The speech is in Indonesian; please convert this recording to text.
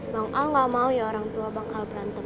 bang ah gak mau ya orang tua bakal berantem